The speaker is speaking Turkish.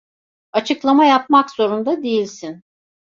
Açıklama yapmak zorunda değilsin.